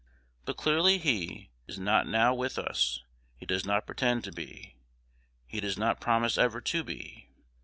But clearly he, is not now with us; he does not pretend to be; he does not promise ever to be.